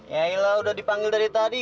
yaelah udah dipanggil dari tadi